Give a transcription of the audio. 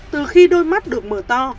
từ khi đôi mắt được mở to